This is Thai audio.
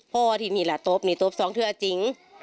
พ่อที่มีละตบมีตบสองเทือนจริง